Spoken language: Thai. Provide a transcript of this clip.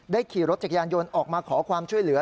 ขี่รถจักรยานยนต์ออกมาขอความช่วยเหลือ